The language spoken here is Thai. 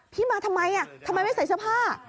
พี่มาทำไมทำไมไม่ใส่เสื้อผ้า